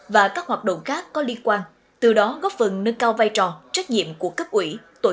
và các hoạt động khác có liên quan từ đó góp phần nâng cao vai trò trách nhiệm của cấp ủy